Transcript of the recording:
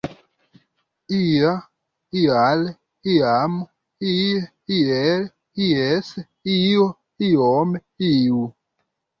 Ia, ial, iam, ie, iel, ies, io, iom, iu.